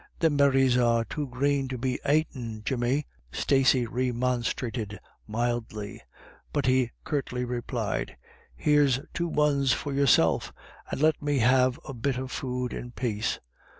" Them berries are too green to be aitin', Jimmy," Stacey remonstrated mildly ; but he curtly replied, "Here's two ones for yourself; and let me have a bit of food in paice."